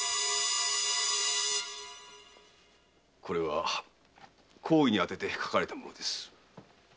これは公儀にあてて書かれたものです。